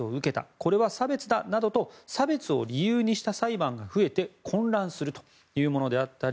これは差別だなどと差別を理由にした裁判が増えて混乱するというものであったり